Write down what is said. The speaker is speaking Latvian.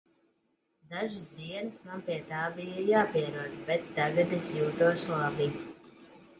Dažas dienas man pie tā bija jāpierod, bet tagad es jūtos labi.